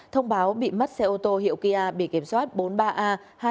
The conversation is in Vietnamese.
thông báo bị mất xe ô tô hiệu kia bị kiểm soát bốn mươi ba a hai mươi ba nghìn một trăm bốn mươi bốn